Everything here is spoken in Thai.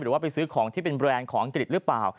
ไปซื้อของที่เป็นแบรนด์ของอังกฤษหรือเปล่า